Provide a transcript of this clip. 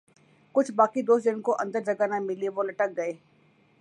کچھ باقی دوست جن کو اندر جگہ نہ ملی وہ لٹک گئے ۔